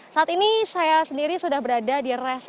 saat ini saya sendiri sudah berada di res area